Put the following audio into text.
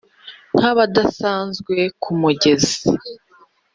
Nk' abadasanzwe ku mugezi :